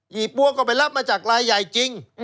ี่ปั๊วก็ไปรับมาจากลายใหญ่จริง